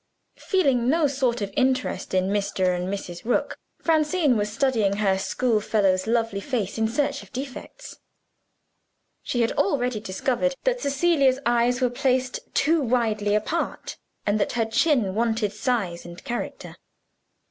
Feeling no sort of interest in Mr. and Mrs. Rook, Francine was studying her schoolfellow's lovely face in search of defects. She had already discovered that Cecilia's eyes were placed too widely apart, and that her chin wanted size and character.